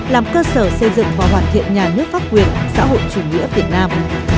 làm cơ sở xây dựng và hoàn thiện nhà nước pháp quyền xã hội chủ nghĩa việt nam